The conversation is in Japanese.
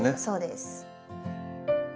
そうです。